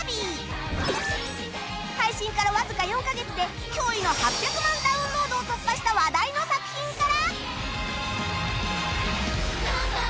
配信からわずか４カ月で驚異の８００万ダウンロードを突破した話題の作品から